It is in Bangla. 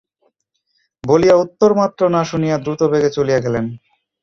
বলিয়া উত্তরমাত্র না শুনিয়া দ্রুতবেগে চলিয়া গেলেন।